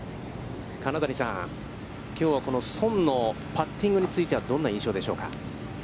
金谷さん、きょうはこの宋のパッティングについてはどんな印象でしょうか。